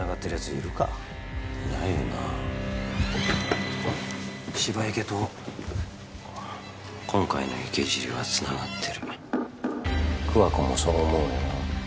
いないよな芝池と今回の池尻はつながってる桑子もそう思うよな？